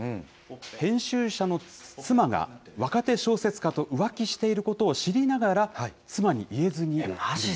編集者の妻が若手小説家と浮気していることを知りながら、妻に言えずにいる。